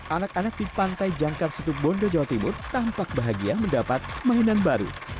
anak anak di pantai jangkar situbondo jawa timur tampak bahagia mendapat mainan baru